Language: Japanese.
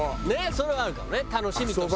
それはあるかもね楽しみとしては。